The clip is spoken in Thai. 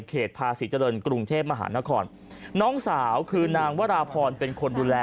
เขตภาษิจรรยันตร์กรุงเทพมหานครน้องสาวคือนางวราพรเป็นคนดูแล